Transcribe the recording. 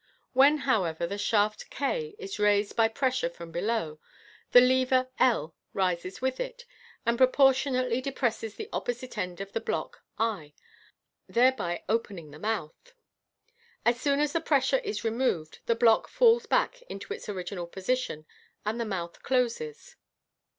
When, however, the shaft k is caised by pressure from below, the lever / rises with it, and propor tionately depresses the opposite end of the block z, thereby opening the Fig. 288. MODERN MAGIC. 46f mouth. As soon as the pressure is removed, the block falls back into its original position, and the mouth closes.